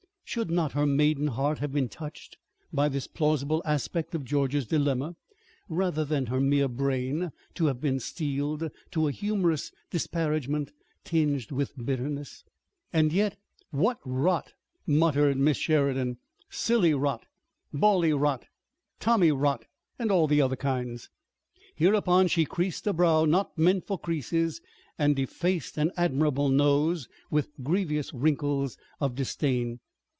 Should not her maiden heart have been touched by this plausible aspect of George's dilemma, rather than her mere brain to have been steeled to a humorous disparagement tinged with bitterness? And yet, "What rot!" muttered Miss Sheridan, "silly rot, bally rot, tommy rot, and all the other kinds!" Hereupon she creased a brow not meant for creases and defaced an admirable nose with grievous wrinkles of disdain.